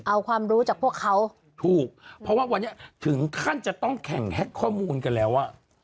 เอาความรู้จากพวกเขาถูกเพราะว่าวันนี้ถึงขั้นจะต้องแข่งแฮ็กข้อมูลกันแล้วอ่ะ